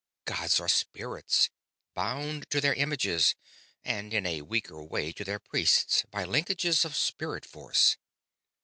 Gods are spirits; bound to their images, and in a weaker way to their priests, by linkages of spirit force.